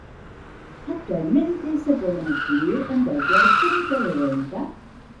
Actualmente se pueden adquirir en cualquier punto de venta.